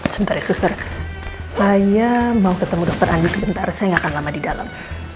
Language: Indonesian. sementara suster saya mau ketemu dokter andi sebentar saya nggak akan lama di dalam